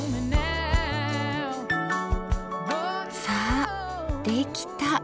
さあできた！